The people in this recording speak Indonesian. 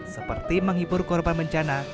seperti menghibur korban bencana